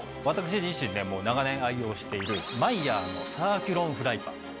私自身ねもう長年愛用しているマイヤーのサーキュロンフライパン。